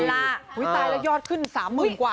อุ้ยตายแล้วยอดขึ้น๓มือกว่า